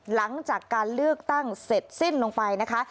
หลังจากการเลือกตั้งเสร็จสิ้นลงไปนะคะ